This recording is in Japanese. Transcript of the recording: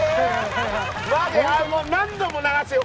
何度も流すよ